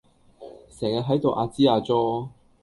成日喺度阿支阿左